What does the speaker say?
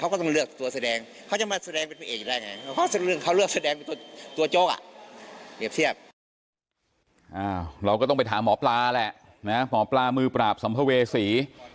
เราก็ต้องไปถามหมอปลาแหละนะหมอปลามือปราบสัมภเวษี